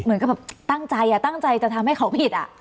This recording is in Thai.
เหมือนกับแบบตั้งใจตั้งใจจะทำให้เขาผิด